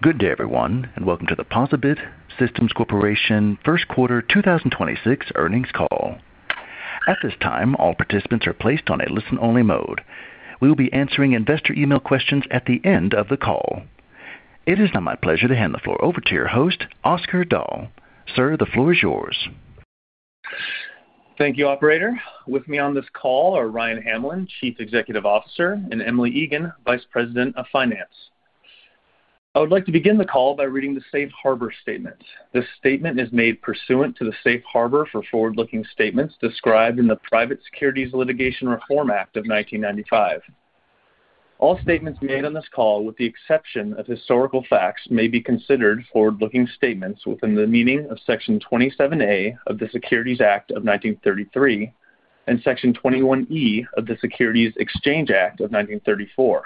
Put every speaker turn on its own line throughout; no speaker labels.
Good day, everyone, and welcome to the POSaBIT Systems Corporation first quarter 2026 earnings call. At this time, all participants are placed on a listen-only mode. We will be answering investor email questions at the end of the call. It is now my pleasure to hand the floor over to your host, Oscar Dahl. Sir, the floor is yours.
Thank you, Operator. With me on this call are Ryan Hamlin, Chief Executive Officer, and Emily Egan, Vice President of Finance. I would like to begin the call by reading the safe harbor statement. This statement is made pursuant to the safe harbor for forward-looking statements described in the Private Securities Litigation Reform Act of 1995. All statements made on this call, with the exception of historical facts, may be considered forward-looking statements within the meaning of Section 27A of the Securities Act of 1933 and Section 21E of the Securities Exchange Act of 1934.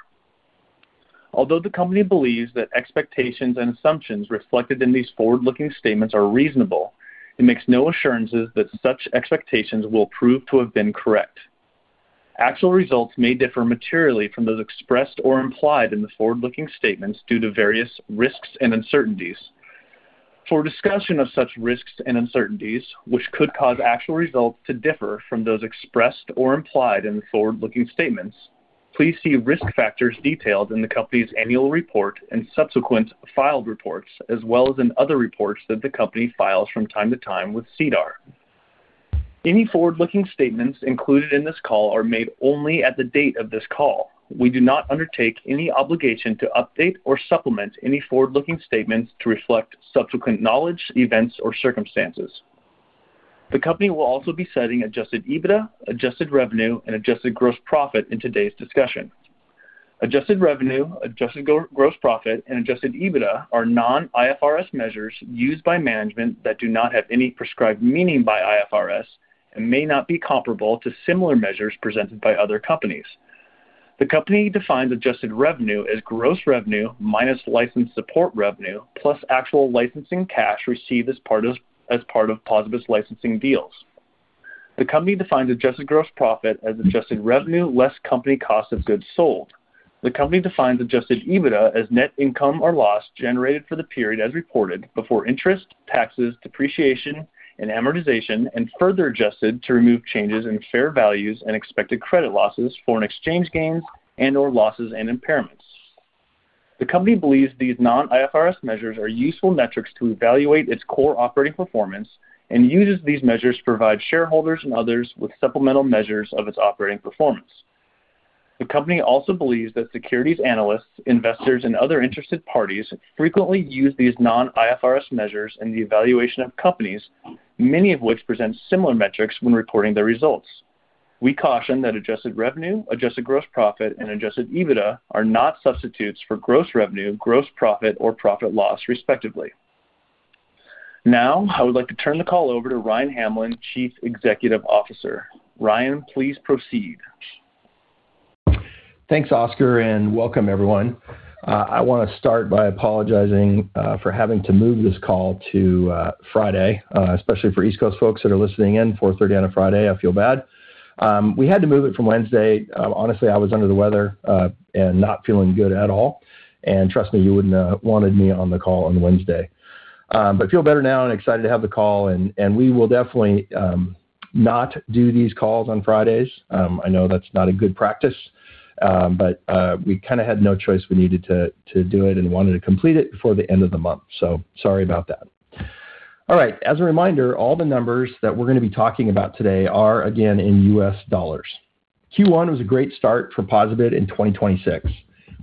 Although the company believes that expectations and assumptions reflected in these forward-looking statements are reasonable, it makes no assurances that such expectations will prove to have been correct. Actual results may differ materially from those expressed or implied in the forward-looking statements due to various risks and uncertainties. For a discussion of such risks and uncertainties, which could cause actual results to differ from those expressed or implied in the forward-looking statements, please see risk factors detailed in the company's annual report and subsequent filed reports, as well as in other reports that the company files from time to time with SEDAR. Any forward-looking statements included in this call are made only at the date of this call. We do not undertake any obligation to update or supplement any forward-looking statements to reflect subsequent knowledge, events, or circumstances. The company will also be setting adjusted EBITDA, adjusted revenue, and adjusted gross profit in today's discussion. Adjusted revenue, adjusted gross profit, and adjusted EBITDA are non-IFRS measures used by management that do not have any prescribed meaning by IFRS and may not be comparable to similar measures presented by other companies. The company defines adjusted revenue as gross revenue minus license support revenue, plus actual licensing cash received as part of POSaBIT's licensing deals. The company defines adjusted gross profit as adjusted revenue less company cost of goods sold. The company defines adjusted EBITDA as net income or loss generated for the period as reported before interest, taxes, depreciation, and amortization, and further adjusted to remove changes in fair values and expected credit losses, foreign exchange gains and/or losses and impairments. The company believes these non-IFRS measures are useful metrics to evaluate its core operating performance and uses these measures to provide shareholders and others with supplemental measures of its operating performance. The company also believes that securities analysts, investors, and other interested parties frequently use these non-IFRS measures in the evaluation of companies, many of which present similar metrics when reporting their results. We caution that adjusted revenue, adjusted gross profit, and adjusted EBITDA are not substitutes for gross revenue, gross profit, or profit loss, respectively. Now, I would like to turn the call over to Ryan Hamlin, Chief Executive Officer. Ryan, please proceed.
Thanks, Oscar, and welcome everyone. I want to start by apologizing for having to move this call to Friday, especially for East Coast folks that are listening in, 4:30 on a Friday. I feel bad. We had to move it from Wednesday. Honestly, I was under the weather, and not feeling good at all. And trust me, you wouldn't have wanted me on the call on Wednesday. But I feel better now and excited to have the call, and we will definitely not do these calls on Fridays. I know that's not a good practice. But we kind of had no choice. We needed to do it and wanted to complete it before the end of the month. Sorry about that. All right. As a reminder, all the numbers that we're going to be talking about today are, again, in US dollars. Q1 was a great start for POSaBIT in 2026.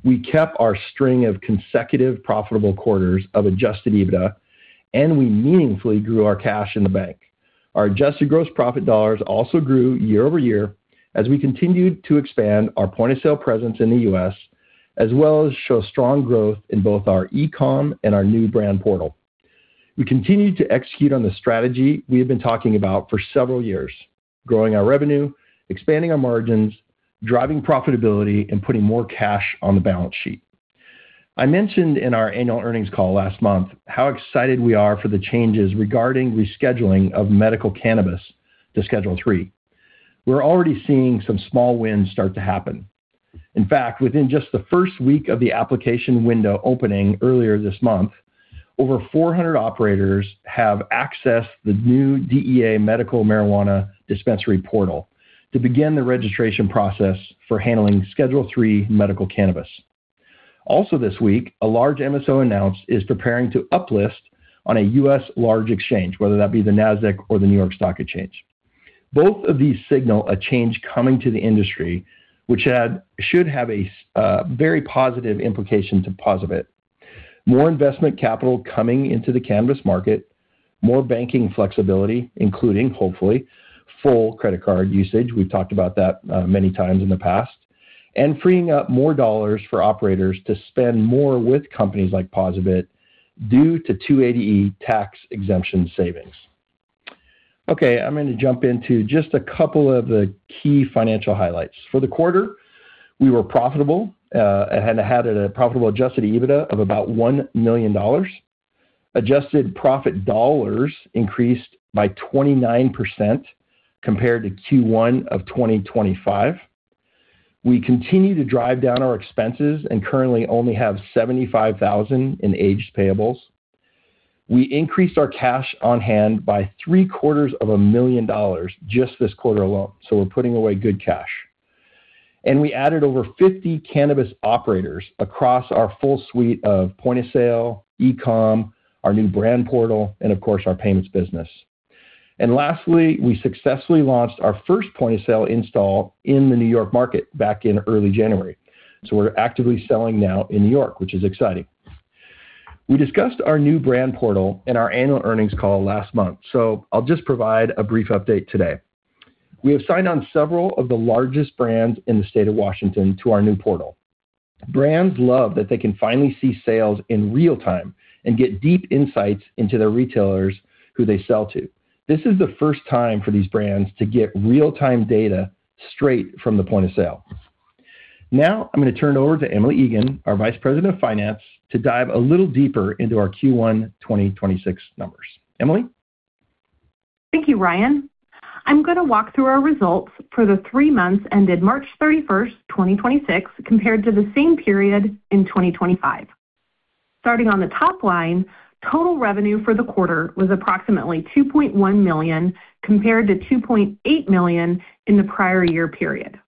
We kept our string of consecutive profitable quarters of adjusted EBITDA, and we meaningfully grew our cash in the bank. Our adjusted gross profit dollars also grew year-over-year as we continued to expand our point-of-sale presence in the U.S. as well as show strong growth in both our e-com and our new Brand Portal. We continue to execute on the strategy we have been talking about for several years, growing our revenue, expanding our margins, driving profitability, and putting more cash on the balance sheet. I mentioned in our annual earnings call last month how excited we are for the changes regarding rescheduling of medical cannabis to Schedule III. We're already seeing some small wins start to happen. In fact, within just the first week of the application window opening earlier this month, over 400 operators have accessed the new DEA medical marijuana dispensary portal to begin the registration process for handling Schedule III medical cannabis. Also this week, a large MSO announced it is preparing to uplist on a U.S. large exchange, whether that be the Nasdaq or the New York Stock Exchange. Both of these signal a change coming to the industry, which had, should have a very positive implication to POSaBIT. More investment capital coming into the cannabis market, more banking flexibility, including, hopefully, full credit card usage. We've talked about that many times in the past. Freeing up more dollars for operators to spend more with companies like POSaBIT due to 280E tax exemption savings. Okay. I'm going to jump into just a couple of the key financial highlights. For the quarter, we were profitable, and had a profitable adjusted EBITDA of about $1 million. Adjusted profit dollars increased by 29% compared to Q1 of 2025. We continue to drive down our expenses and currently only have $75,000 in aged payables. We increased our cash on hand by three quarters of a million dollars just this quarter alone, so we're putting away good cash. We added over 50 cannabis operators across our full suite of point-of-sale, e-com, our new Brand Portal, and of course, our payments business. Lastly, we successfully launched our first point-of-sale install in the New York market back in early January. We're actively selling now in New York, which is exciting. We discussed our new Brand Portal in our annual earnings call last month, so I'll just provide a brief update today. We have signed on several of the largest brands in the state of Washington to our new Brand Portal. Brands love that they can finally see sales in real time and get deep insights into their retailers who they sell to. This is the first time for these brands to get real-time data straight from the point of sale. Now, I'm going to turn it over to Emily Egan, our Vice President of Finance, to dive a little deeper into our Q1 2026 numbers. Emily?
Thank you, Ryan. I am going to walk through our results for the three months ended March 31st, 2026, compared to the same period in 2025. Starting on the top line, total revenue for the quarter was approximately $2.1 million, compared to $2.8 million in the prior year period.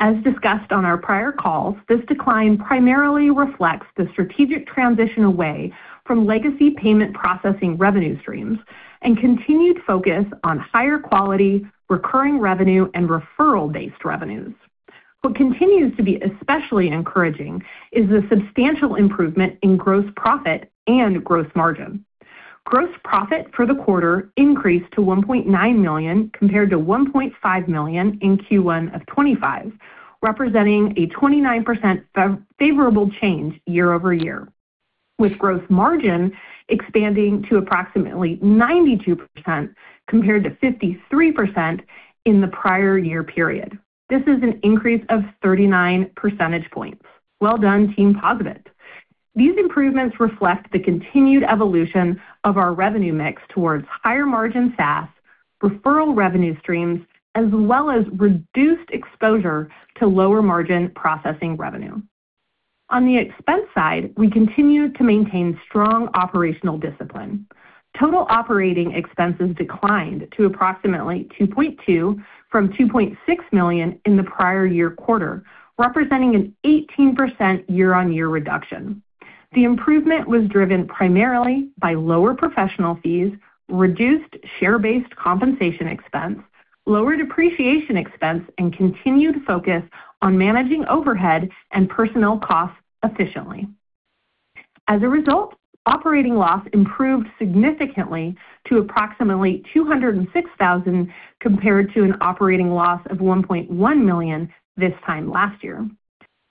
As discussed on our prior calls, this decline primarily reflects the strategic transition away from legacy payment processing revenue streams and continued focus on higher quality, recurring revenue, and referral-based revenues. What continues to be especially encouraging is the substantial improvement in gross profit and gross margin. Gross profit for the quarter increased to $1.9 million, compared to $1.5 million in Q1 of 2025, representing a 29% favorable change year-over-year, with gross margin expanding to approximately 92% compared to 53% in the prior year period. This is an increase of 39 percentage points. Well done, Team POSaBIT. These improvements reflect the continued evolution of our revenue mix towards higher margin SaaS, referral revenue streams, as well as reduced exposure to lower margin processing revenue. On the expense side, we continue to maintain strong operational discipline. Total operating expenses declined to approximately $2.2 million from $2.6 million in the prior year quarter, representing an 18% year-on-year reduction. The improvement was driven primarily by lower professional fees, reduced share-based compensation expense, lower depreciation expense, and continued focus on managing overhead and personnel costs efficiently. As a result, operating loss improved significantly to approximately $206,000, compared to an operating loss of $1.1 million this time last year.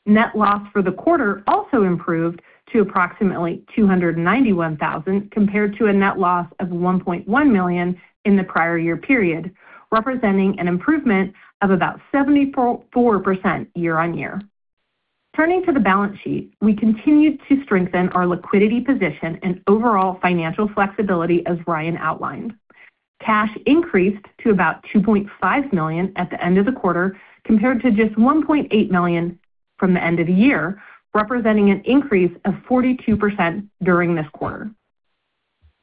Net loss for the quarter also improved to approximately $291,000, compared to a net loss of $1.1 million in the prior year period, representing an improvement of about 74% year-on-year. Turning to the balance sheet, we continued to strengthen our liquidity position and overall financial flexibility, as Ryan outlined. Cash increased to about $2.5 million at the end of the quarter, compared to just $1.8 million from the end of the year, representing an increase of 42% during this quarter.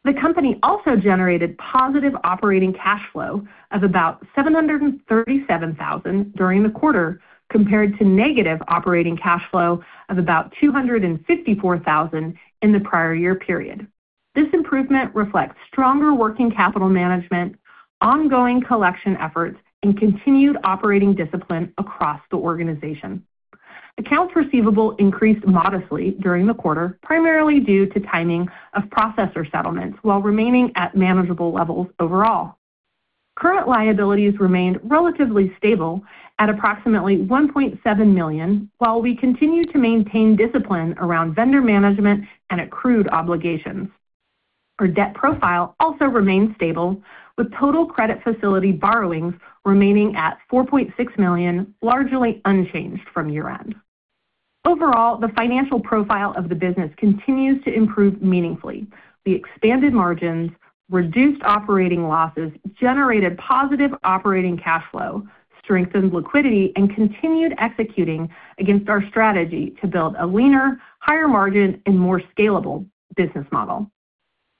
The company also generated positive operating cash flow of about $737,000 during the quarter, compared to negative operating cash flow of about $254,000 in the prior year period. This improvement reflects stronger working capital management, ongoing collection efforts, and continued operating discipline across the organization. Accounts receivable increased modestly during the quarter, primarily due to timing of processor settlements, while remaining at manageable levels overall. Current liabilities remained relatively stable at approximately $1.7 million, while we continue to maintain discipline around vendor management and accrued obligations. Our debt profile also remains stable, with total credit facility borrowings remaining at $4.6 million, largely unchanged from year-end. Overall, the financial profile of the business continues to improve meaningfully. We expanded margins, reduced operating losses, generated positive operating cash flow, strengthened liquidity, and continued executing against our strategy to build a leaner, higher margin, and more scalable business model.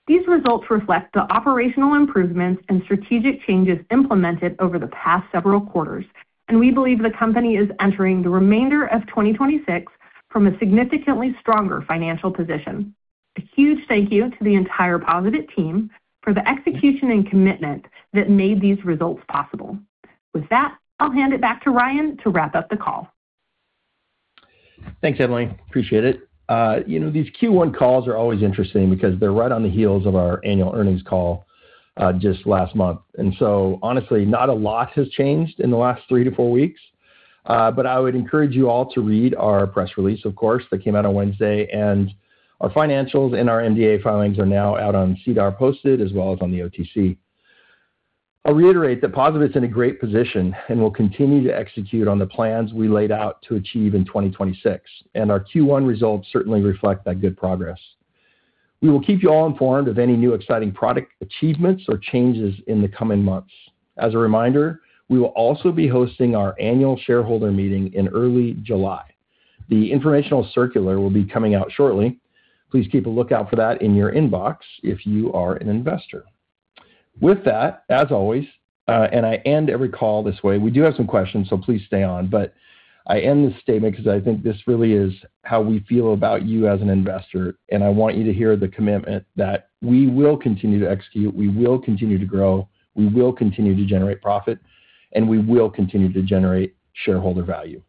These results reflect the operational improvements and strategic changes implemented over the past several quarters, and we believe the company is entering the remainder of 2026 from a significantly stronger financial position. A huge thank you to the entire POSaBIT team for the execution and commitment that made these results possible. With that, I'll hand it back to Ryan to wrap up the call.
Thanks, Emily. Appreciate it. You know, these Q1 calls are always interesting because they're right on the heels of our annual earnings call just last month. And so, honestly, not a lot has changed in the last three to four weeks. But I would encourage you all to read our press release, of course, that came out on Wednesday, and our financials and our MD&A filings are now out on SEDAR posted, as well as on the OTC. I'll reiterate that POSaBIT's in a great position and will continue to execute on the plans we laid out to achieve in 2026, and our Q1 results certainly reflect that good progress. We will keep you all informed of any new exciting product achievements or changes in the coming months. As a reminder, we will also be hosting our annual shareholder meeting in early July. The informational circular will be coming out shortly. Please keep a lookout for that in your inbox if you are an investor. With that, as always, I end every call this way, we do have some questions, please stay on. I end this statement because I think this really is how we feel about you as an investor, and I want you to hear the commitment that we will continue to execute, we will continue to grow, we will continue to generate profit, and we will continue to generate shareholder value.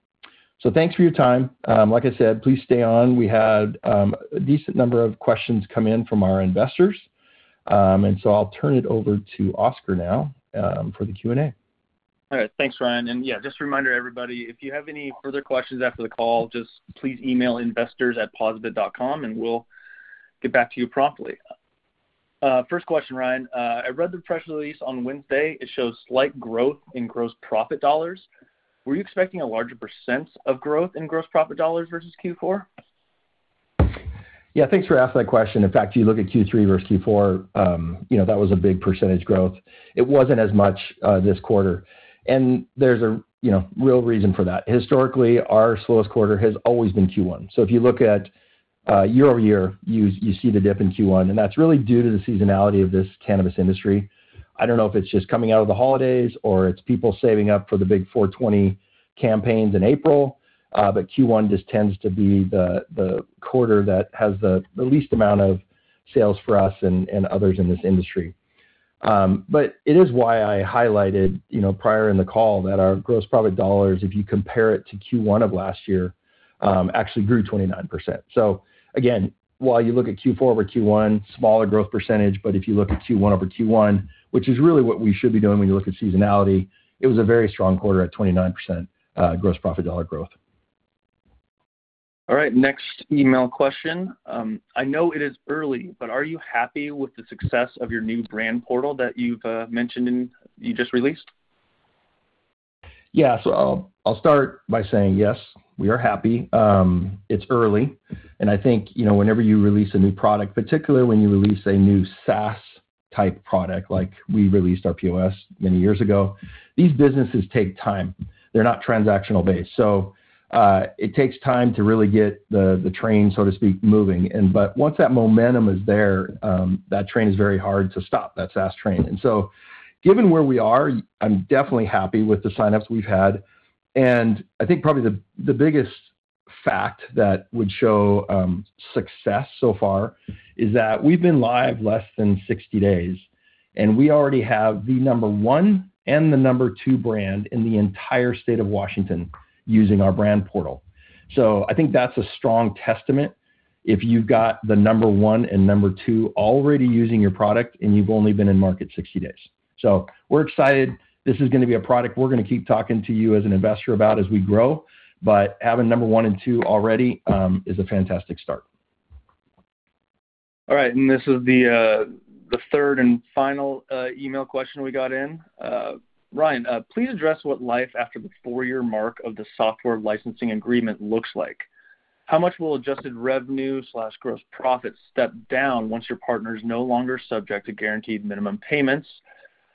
Thanks for your time. Like I said, please stay on. We had a decent number of questions come in from our investors. I'll turn it over to Oscar now, for the Q&A.
All right. Thanks, Ryan. Yeah, just a reminder, everybody, if you have any further questions after the call, just please email investors@posabit.com, and we'll get back to you promptly. First question, Ryan. I read the press release on Wednesday. It shows slight growth in gross profit dollars. Were you expecting a larger percent of growth in gross profit dollars versus Q4?
Yeah, thanks for asking that question. In fact, you look at Q3 versus Q4, yeah, that was a big percentage growth. It wasn't as much this quarter. There's a real reason for that. Historically, our slowest quarter has always been Q1. If you look at year-over-year, you see the dip in Q1, and that's really due to the seasonality of this cannabis industry. I don't know if it's just coming out of the holidays, or it's people saving up for the big 4/20 campaigns in April, but Q1 just tends to be the quarter that has the least amount of sales for us and others in this industry. But it is why I highlighted prior in the call that our gross profit dollars, if you compare it to Q1 of last year, actually grew 29%. Again, while you look at Q4 over Q1, smaller growth percentage, but if you look at Q1 over Q1, which is really what we should be doing when you look at seasonality, it was a very strong quarter at 29% gross profit dollar growth.
All right, next email question. I know it is early, but are you happy with the success of your new Brand Portal that you have mentioned you just released?
I'll start by saying yes, we are happy. It's early, and I think whenever you release a new product, particularly when you release a new SaaS-type product, like we released our POS many years ago, these businesses take time. They're not transactional based. It takes time to really get the train, so to speak, moving. Once that momentum is there, that train is very hard to stop, that SaaS train. Given where we are, I'm definitely happy with the sign-ups we've had. I think probably the biggest fact that would show success so far is that we've been live less than 60 days, and we already have the number one and the number two brand in the entire state of Washington using our Brand Portal. I think that's a strong testament if you've got the number one and number two already using your product and you've only been in market 60 days. We're excited. This is going to be a product we're going to keep talking to you as an investor about as we grow. But having number one and two already is a fantastic start.
All right. This is the third and final email question we got in. Ryan, please address what life after the four-year mark of the software licensing agreement looks like. How much will adjusted revenue/gross profit step down once your partner is no longer subject to guaranteed minimum payments?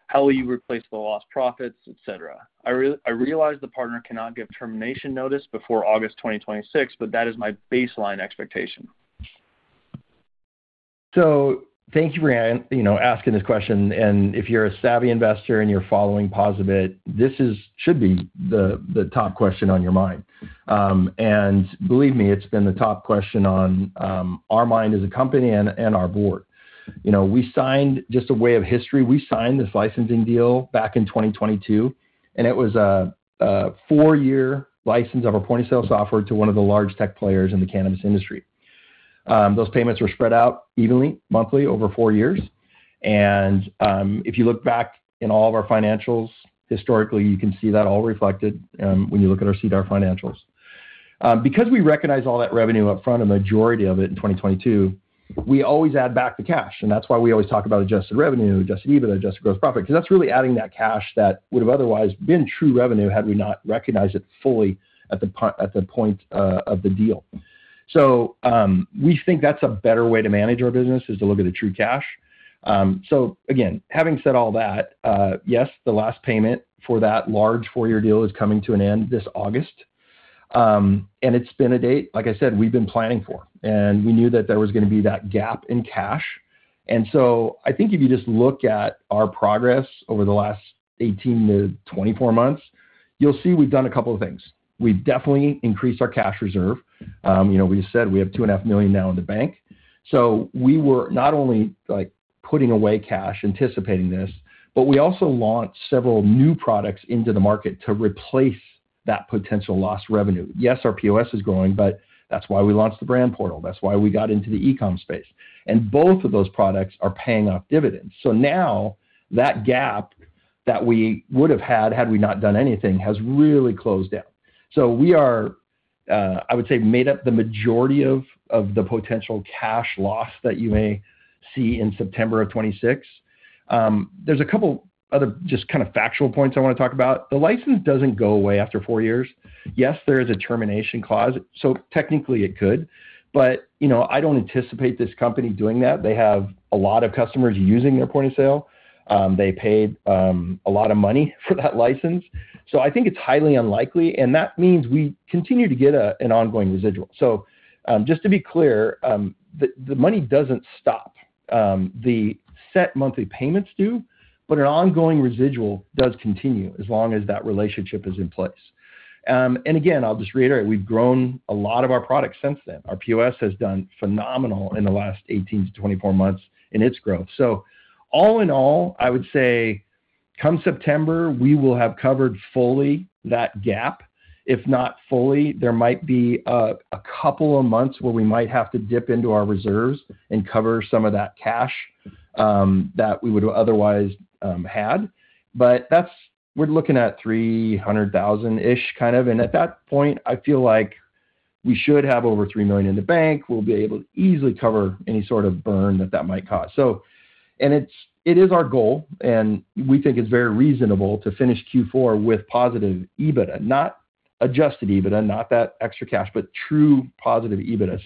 How will you replace the lost profits, et cetera? I realize the partner cannot give termination notice before August 2026, but that is my baseline expectation.
Thank you for asking this question. If you're a savvy investor and you're following POSaBIT, this should be the top question on your mind. Believe me, it's been the top question on our mind as a company and our board. Just a way of history, we signed this licensing deal back in 2022, and it was a four-year license of our point-of-sale software to one of the large tech players in the cannabis industry. Those payments were spread out evenly, monthly, over four years. If you look back in all of our financials historically, you can see that all reflected when you look at our SEDAR financials. We recognize all that revenue up front and the majority of it in 2022, we always add back the cash, and that's why we always talk about adjusted revenue, adjusted EBITDA, adjusted gross profit, because that's really adding that cash that would have otherwise been true revenue had we not recognized it fully at the point of the deal. We think that's a better way to manage our business, is to look at the true cash. Again, having said all that, yes, the last payment for that large four-year deal is coming to an end this August. It's been a date, like I said, we've been planning for, and we knew that there was going to be that gap in cash. I think if you just look at our progress over the last 18-24 months, you'll see we've done a couple of things. We've definitely increased our cash reserve. We said we have $2.5 million now in the bank. We were not only putting away cash anticipating this, but we also launched several new products into the market to replace that potential lost revenue. Yes, our POS is growing, but that's why we launched the Brand Portal. That's why we got into the e-com space. Both of those products are paying off dividends. So, now, that gap that we would have had we not done anything, has really closed down. We are, I would say, made up the majority of the potential cash loss that you may see in September of 2026. There's a couple other just kind of factual points I want to talk about. The license doesn't go away after four years. Yes, there is a termination clause, so technically it could, but I don't anticipate this company doing that. They have a lot of customers using their point-of-sale. They paid a lot of money for that license, so I think it's highly unlikely, and that means we continue to get an ongoing residual. Just to be clear, the money doesn't stop. The set monthly payments do, but an ongoing residual does continue as long as that relationship is in place. Again, I'll just reiterate, we've grown a lot of our products since then. Our POS has done phenomenal in the last 18-24 months in its growth. All in all, I would say come September, we will have covered fully that gap. If not fully, there might be a couple of months where we might have to dip into our reserves and cover some of that cash that we would otherwise had. We're looking at $300,000-ish kind of, and at that point, I feel like we should have over $3 million in the bank. We'll be able to easily cover any sort of burn that that might cause. It is our goal, and we think it's very reasonable to finish Q4 with positive EBITDA. Not adjusted EBITDA, not that extra cash, but true positive EBITDA.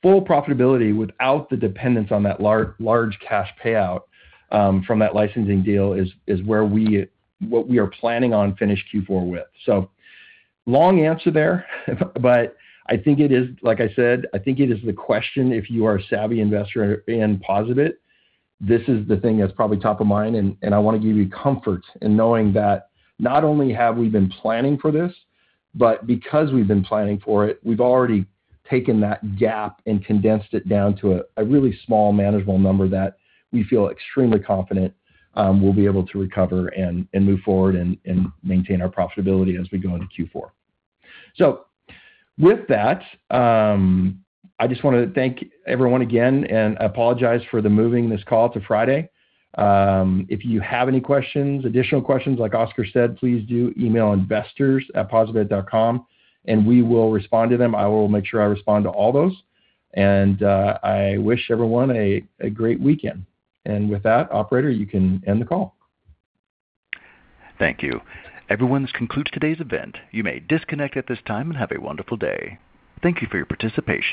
Full profitability without the dependence on that large cash payout from that licensing deal is what we are planning on finish Q4 with. Long answer there, but I think it is, like I said, I think it is the question if you are a savvy investor in POSaBIT, this is the thing that's probably top of mind, and I want to give you comfort in knowing that not only have we been planning for this, but because we've been planning for it, we've already taken that gap and condensed it down to a really small, manageable number that we feel extremely confident we'll be able to recover and move forward and maintain our profitability as we go into Q4. With that, I just want to thank everyone again and apologize for the moving this call to Friday. If you have any questions, additional questions, like Oscar said, please do email investors@posabit.com and we will respond to them. I will make sure I respond to all those. I wish everyone a great weekend. And with that, operator, you can end the call.
Thank you. Everyone, this concludes today's event. You may disconnect at this time, and have a wonderful day. Thank you for your participation.